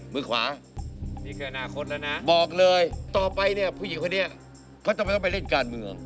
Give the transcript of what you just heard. มือขวาบอกเลยต่อไปเนี่ยผู้หญิงคนนี้เขาต้องไปเล่นการเมือง